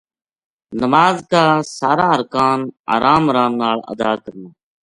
نماز کا سارا ارکان آرام آرام نال ادا کرنا۔